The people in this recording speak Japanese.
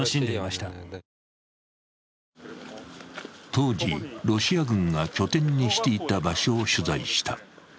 当時、ロシア軍が拠点にしていた場所を取材した。